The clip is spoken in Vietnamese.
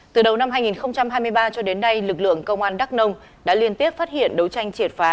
từ đầu năm hai nghìn hai mươi ba cho đến nay lực lượng công an đắk nông đã liên tiếp phát hiện đấu tranh triệt phá